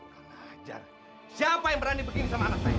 kurang ajar siapa yang berani begini sama anak saya